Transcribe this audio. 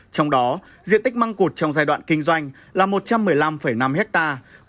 trong đó diện tích măng cụt trong giai đoạn kinh doanh là một trăm một mươi năm năm hectare